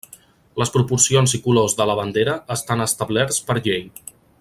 Les proporcions i colors de la bandera estan establerts per llei.